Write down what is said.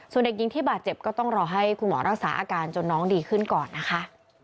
ส่วนเด็กหญิงที่บาดเจ็บก็ต้องรอให้คุณหมอรักษาอาการจนน้องดีขึ้นก่อนนะคะ